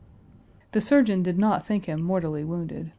The surgeon did not think him mortally wounded.